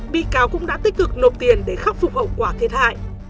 bị cáo cũng đã tích cực nộp tiền để khắc phục hậu quả thiệt hại